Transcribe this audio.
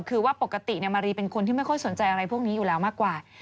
คือว่าปกติมารีเป็นคนที่ไม่ค่อยสนใจอะไรพวกนี้อยู่แล้วมากกว่า